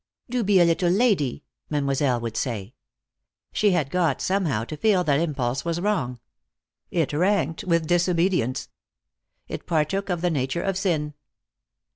"Do be a little lady," Mademoiselle would say. She had got, somehow, to feel that impulse was wrong. It ranked with disobedience. It partook of the nature of sin.